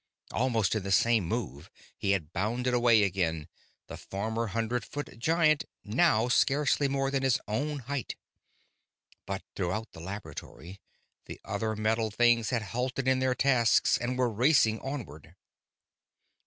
Almost in the same move he had bounded away again, the former hundred foot giant now scarcely more than his own height. But throughout the laboratory, the other metal things had halted in their tasks and were racing onward.